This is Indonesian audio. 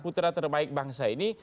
putra terbaik bangsa ini